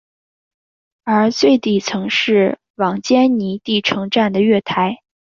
而最底层是往坚尼地城站的月台。